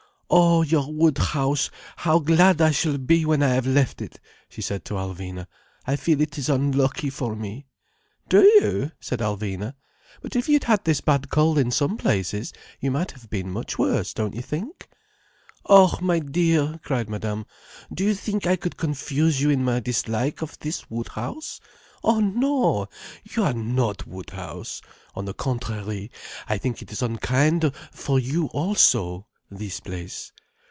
"Oh, your Woodhouse, how glad I shall be when I have left it," she said to Alvina. "I feel it is unlucky for me." "Do you?" said Alvina. "But if you'd had this bad cold in some places, you might have been much worse, don't you think." "Oh my dear!" cried Madame. "Do you think I could confuse you in my dislike of this Woodhouse? Oh no! You are not Woodhouse. On the contrary, I think it is unkind for you also, this place.